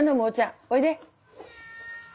おいで。